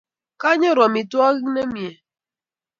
kanyoru amitwokig nemie